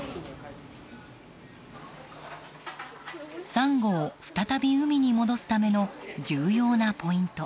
サンゴを再び海に戻すための重要なポイント。